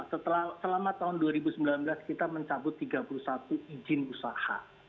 selama tahun dua ribu sembilan belas kita mencabut tiga puluh satu izin usaha